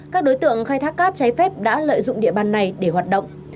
các đối tượng khai thác cát trái phép đã lợi dụng địa bàn này để hoạt động